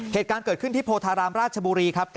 เหตุการณ์เกิดขึ้นที่โพธารามราชบุรีครับ